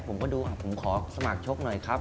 ผมก็ดูผมขอสมัครชกหน่อยครับ